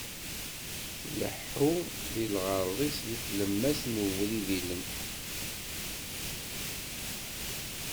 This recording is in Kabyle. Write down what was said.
Tleḥḥu di lɣerḍ-is deg tlemmast n ubrid ilem.